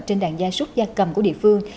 trên đàn gia súc gia cầm của địa phương